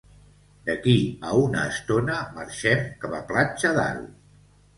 D'aquí a una estona marxem cap a Platja d'Aro